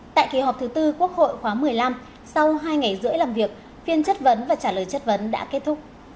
tại kỳ họp thứ tư quốc hội khóa một mươi năm sau hai ngày rưỡi làm việc phiên chất vấn và trả lời chất vấn đã kết thúc